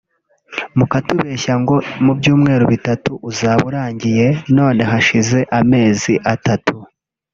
mukatubeshya ngo mu byumweru bitatu uzaba urangiye none hashize amezi atatu